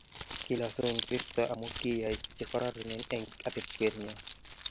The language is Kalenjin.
Kilasu kristo amu kiyoy che kororonen eng atepwet nyon